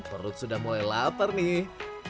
perut sudah mulai lapar nih